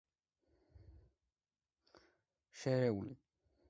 შერეულ წყვილებში ამერიკელმა ჩოგბურთელმა ერთხელ საფრანგეთის ღია პირველობა მოიგო.